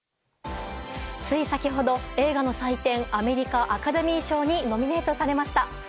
つい先ほど、映画の祭典、アメリカ、アカデミー賞にノミネートされました。